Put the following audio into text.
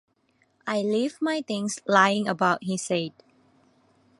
“I leave my things lying about,” he said.